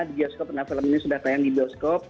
di bioskop nah film ini sudah tayang di bioskop